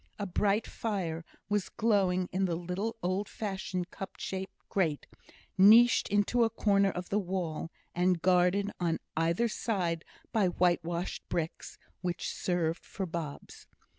A bright fire was glowing in the little old fashioned, cup shaped grate, niched into a corner of the wall, and guarded on either side by whitewashed bricks, which rested on hobs.